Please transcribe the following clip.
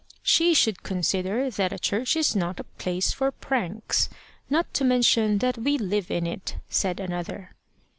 "She should consider that a church is not a place for pranks, not to mention that we live in it," said another.